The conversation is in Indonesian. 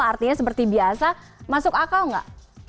artinya seperti biasa masuk akal nggak